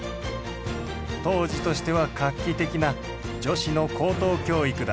当時としては画期的な女子の高等教育だ。